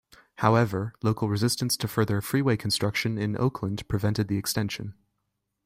However, local resistance to further freeway construction in Oakland prevented the extension.